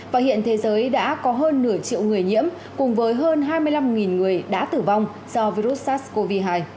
và hiện thế giới đã có hơn nửa triệu người nhiễm cùng với hơn hai mươi năm người đã tử vong do virus sars cov hai